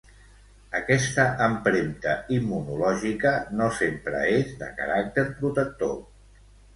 Aquesta empremta immunològica no sempre és de caràcter protector.